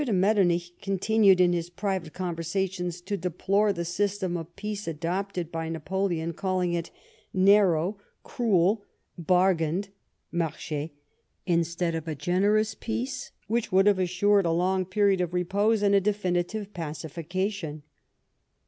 de Mettemich continued in his private conversations to deplore the system of peace adopted by Napoleon, calling it narrow, cruel, bargained (inarclie), instead of a generous peace which would have assured a long period of repose, and a definitive pacification."